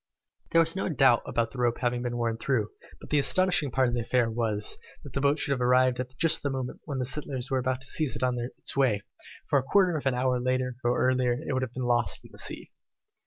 There was no doubt about the rope having been worn through, but the astonishing part of the affair was, that the boat should have arrived just at the moment when the settlers were there to seize it on its way, for a quarter of an hour earlier or later it would have been lost in the sea.